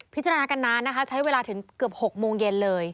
พิจารณากันนานนะคะใช้เวลาถึงเกือบ๖โมงเย็นเลย